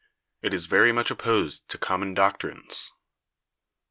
It is very much opposed to common doctrines.